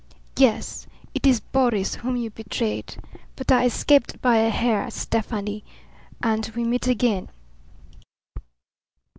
"Yes, it is Boris, whom you betrayed. But I escaped by a hair, Stefani; and we meet again."